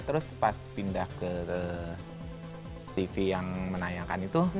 terus pas pindah ke tv yang menayangkan itu